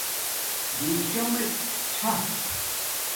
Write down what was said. بشرمک چھݳ